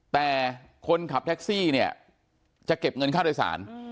แต่คนขับแท็กซี่เนี่ยจะเก็บเงินค่าโดยสาร